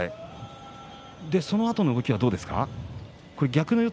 そのあとの動きはどうですか？